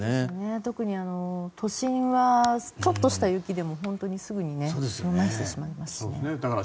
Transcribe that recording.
特に都心はちょっとした雪でも本当にすぐにね混乱してしまいますからね。